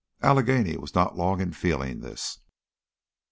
Allegheny was not long in feeling this.